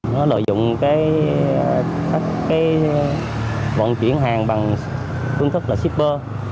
nó lợi dụng các vận chuyển hàng bằng phương thức shipper